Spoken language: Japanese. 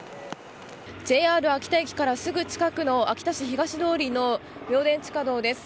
ＪＲ秋田駅からすぐ近くの秋田市東通の明田地下道です。